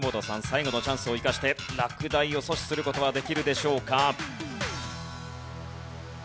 最後のチャンスを生かして落第を阻止する事はできるでしょうか？